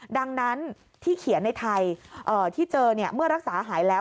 ดังนั้นที่เขียนในไทยที่เจอเมื่อรักษาหายแล้ว